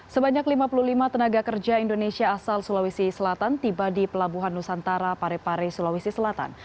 sebanyak lima puluh lima tenaga kerja indonesia asal sulawesi selatan tiba di pelabuhan nusantara parepare sulawesi selatan